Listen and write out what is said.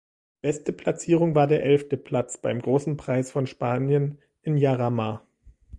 Beste Platzierung war der elfte Platz beim Großen Preis von Spanien in Jarama.